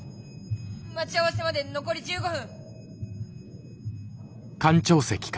待ち合わせまで残り１５分。